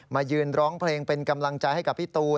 มายืนร้องเพลงเป็นกำลังใจให้กับพี่ตูน